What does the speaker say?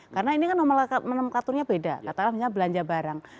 karena ini kan nomenklaturnya beda katakanlah misalnya belanja barang